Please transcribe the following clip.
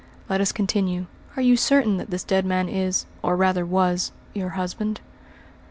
"Let us continue. Are you certain that this dead man is or rather was your husband?"